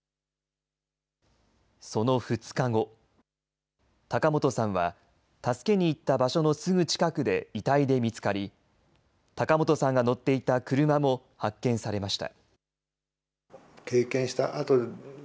その２日後、高本さんは助けに行った場所のすぐ近くで遺体で見つかり、高本さんが乗っていた車も発見されました。